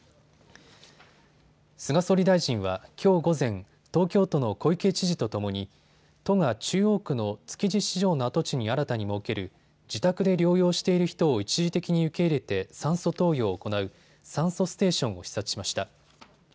菅総理大臣はきょう午前、東京都の小池知事とともに都が中央区の築地市場の跡地に新たに設ける自宅で療養している人を一時的に受け入れて酸素投与を行う酸素ステーションを視察しました。